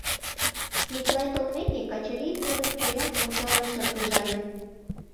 Миклай толмеке, Качырий тудым чоян ончалын шыргыжале.